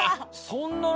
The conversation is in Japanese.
そんな何？